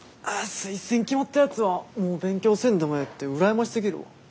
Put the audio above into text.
推薦決まったやつはもう勉強せんでもええって羨ましすぎるわ。